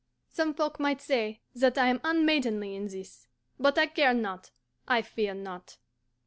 Some folk might say that I am unmaidenly in this. But I care not, I fear not.